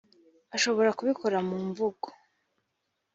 ashobora kubikora mu mvugo